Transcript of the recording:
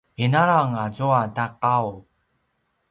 inalang azua ta qau